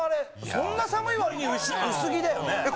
そんな寒い割に薄着だよね。